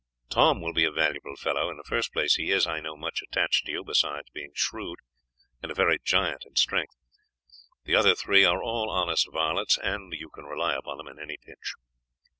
Tom will be a valuable fellow. In the first place, he is, I know, much attached to you, besides being shrewd, and a very giant in strength. The other three are all honest varlets, and you can rely upon them in any pinch."